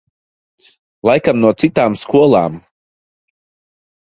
Laikam no citām skolām.